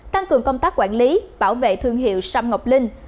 tăng cường công tác quản lý bảo vệ thương hiệu sâm ngọc linh